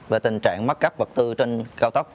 về tình trạng mất cắp vật tư trên cao tốc